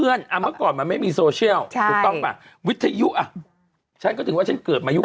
เมื่อก่อนมันไม่มีโซเชียลถูกต้องป่ะวิทยุอ่ะฉันก็ถือว่าฉันเกิดมายุค